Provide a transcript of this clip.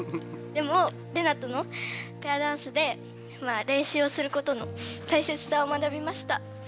でもレナとのペアダンスで練習をすることの大切さを学びました。